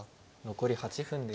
残り８分です。